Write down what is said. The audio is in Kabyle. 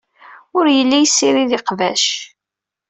Ur yelli yessirid iqbac.